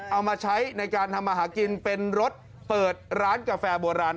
เอามาใช้ในการทำมาหากินเป็นรถเปิดร้านกาแฟโบราณ